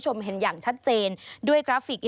สวัสดีค่ะสวัสดีค่ะสวัสดีค่ะ